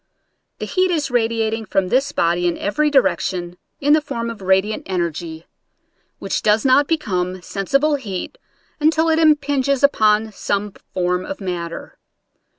The heat is radiating from this body in every direction in the form of radiant energy, which does not become sensi ble heat until it impinges upon some form of matter.